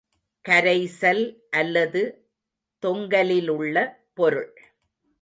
கரைசல் அல்லது தொங்கலிலுள்ள பொருள்.